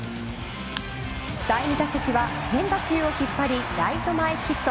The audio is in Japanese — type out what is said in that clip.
第２打席は変化球を引っ張りライト前ヒット。